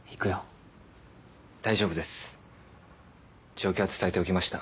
状況は伝えておきました。